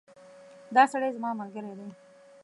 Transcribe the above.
دا سړی زما ملګری دی